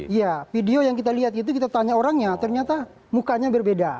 iya video yang kita lihat itu kita tanya orangnya ternyata mukanya berbeda